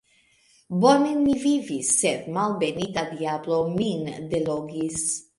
Bone ni vivis, sed malbenita diablo min delogis!